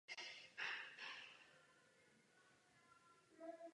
Úspěšné také byly následující coververze starších písní.